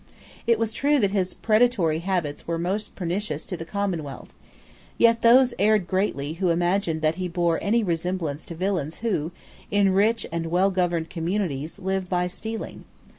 It was true that his predatory habits were most pernicious to the commonwealth. Yet those erred greatly who imagined that he bore any resemblance to villains who, in rich and well governed communities, live by stealing.